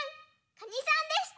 カニさんでした。